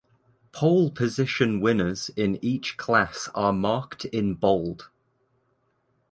Pole position winners in each class are marked in bold.